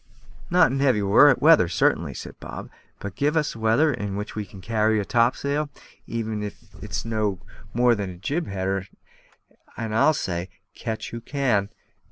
"Not in heavy weather, certainly," said Bob; "but give us weather in which we can carry a topsail, even if it's no more nor a jib header, and I'll say, `Catch who catch can!'